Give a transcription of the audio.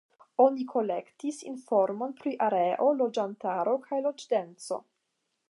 Oni kolektis informon pri areo, loĝantaro kaj loĝdenso.